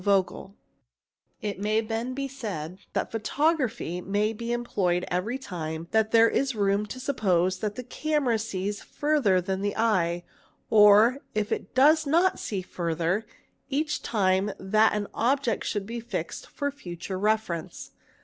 Vogel) ; it may then be said that photography may be employed every time that there is room to suppose that the camera sees fu rther than the eye, or, if it does not see further, each time that an obje t should be fixed for future reference.